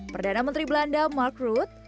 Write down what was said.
perdana menteri belanda mark ruth